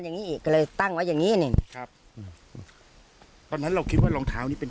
อย่างงี้อีกก็เลยตั้งไว้อย่างงี้นี่ครับตอนนั้นเราคิดว่ารองเท้านี้เป็น